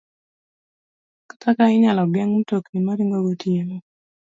Kata ka inyalo geng' mtokni ma ringo gotieno